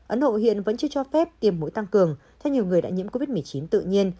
ấn độ hiện vẫn chưa cho phép tiềm mũi tăng cường theo nhiều người đã nhiễm covid một mươi chín tự nhiên